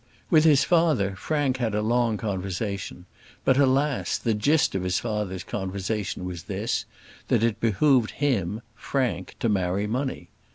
With his father Frank had a long conversation; but, alas! the gist of his father's conversation was this, that it behoved him, Frank, to marry money.